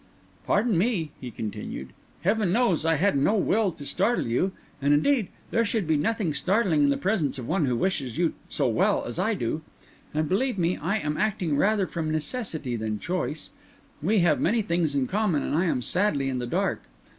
"Pardon me," he continued; "Heaven knows I had no will to startle you; and, indeed, there should be nothing startling in the presence of one who wishes you so well as I do. And, believe me, I am acting rather from necessity than choice. We have many things in common, and I am sadly in the dark.